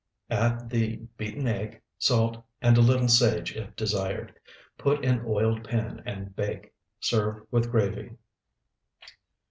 Add the beaten egg, salt, and a little sage if desired. Put in oiled pan and bake. Serve with gravy.